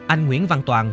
anh nguyễn văn toàn